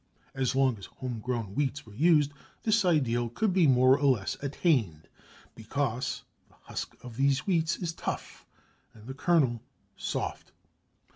As long as home grown wheats were used this ideal could be more or less attained because the husk of these wheats is tough and the kernel soft.